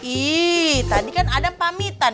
ih tadi kan ada pamitan